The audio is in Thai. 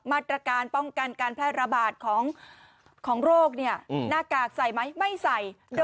มาตรการป้องกันการแพร่ระบาดของโรคเนี่ยหน้ากากใส่ไหมไม่ใส่